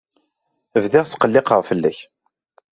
Bdiɣ ttqelliqeɣ fell-ak.